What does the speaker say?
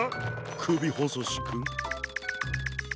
くびほそしくん。